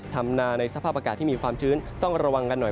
ทำนาในสภาพอากาศที่มีความชื้นต้องระวังกันหน่อย